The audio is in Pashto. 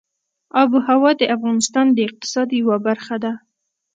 آب وهوا د افغانستان د اقتصاد یوه برخه ده.